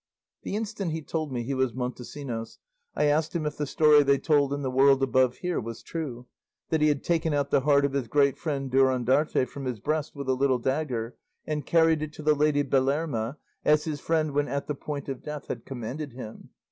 "The instant he told me he was Montesinos, I asked him if the story they told in the world above here was true, that he had taken out the heart of his great friend Durandarte from his breast with a little dagger, and carried it to the lady Belerma, as his friend when at the point of death had commanded him.